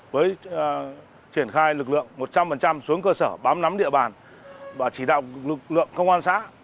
với triển khai lực lượng một trăm linh xuống cơ sở bám nắm địa bàn và chỉ đạo lực lượng công an xã